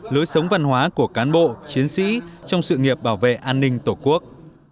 lối sống văn hóa của cán bộ chiến sĩ trong sự nghiệp bảo vệ an ninh tổ quốc